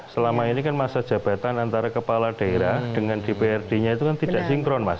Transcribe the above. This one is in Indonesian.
selama ini kan masa jabatan antara kepala daerah dengan dprd nya itu kan tidak sinkron mas